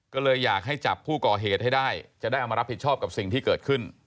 ก็เลยอยากให้จับผู้ก่อเหตุให้ได้จะได้เอามารับผิดชอบกับสิ่งที่เกิดขึ้น